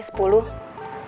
nanti ketemu ong dimana